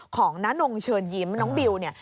น้านงเชิญยิ้มน้องบิวเนี่ย